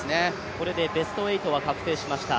これでベスト８は確定しました。